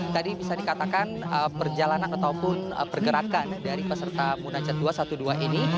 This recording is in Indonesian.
tadi bisa dikatakan perjalanan ataupun pergerakan dari peserta munajat dua ratus dua belas ini